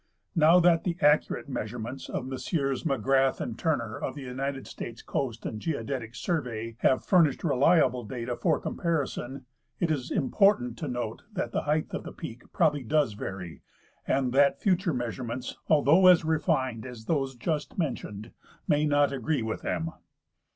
Now that the accu rate measurements of Messrs MeGrath and Turner, of the United States Coast and Geodetic Survey, have furnished reliable data for comparison, it is important to note that the height of the peak probably does vary, and that future measurements, although as refined as those just mentioned, may not agree with them.